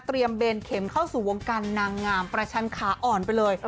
เบนเข็มเข้าสู่วงการนางงามประชันขาอ่อนไปเลย